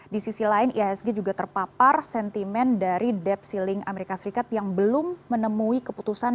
di sisi lain ihsg juga terpapar sentimen dari debt ceiling amerika serikat yang belum menemui keputusan